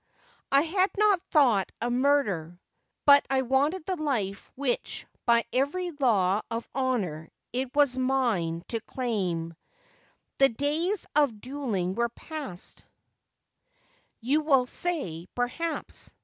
I had no thought of murder, but I wanted the life which by every law of honour it was mine to claim. " The days of duelling were past," you will say, perhaps.